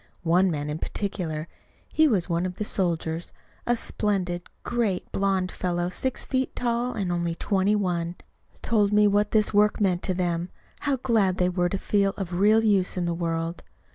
One man in particular he was one of the soldiers, a splendid, great, blond fellow six feet tall, and only twenty one told me what this work meant to them; how glad they were to feel of real use in the world.